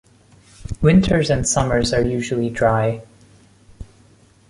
Winters and summers are usually dry.